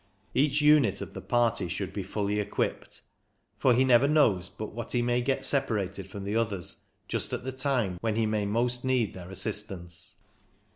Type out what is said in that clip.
Each unit of the party should be fully equipped, for he never knows but what he may get separated from the others just at the time when he may most need their assistance.